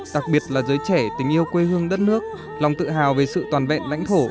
đặc biệt là giới trẻ tình yêu quê hương đất nước lòng tự hào về sự toàn vẹn lãnh thổ